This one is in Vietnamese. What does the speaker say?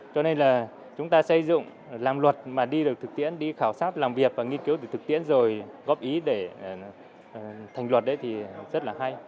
cho nên là chúng ta xây dựng làm luật mà đi được thực tiễn đi khảo sát làm việc và nghiên cứu được thực tiễn rồi góp ý để thành luật thì rất là hay